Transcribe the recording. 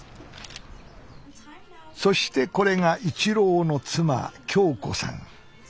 そしてこれが一朗の妻響子さん。